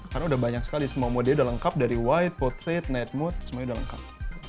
karena udah banyak sekali semua modelnya udah lengkap dari white portrait night mode semua udah lengkap